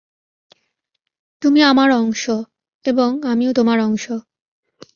তুমি আমার অংশ, এবং আমিও তোমার অংশ।